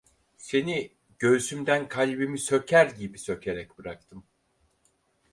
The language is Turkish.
Seni göğsümden kalbimi söker gibi sökerek bıraktım…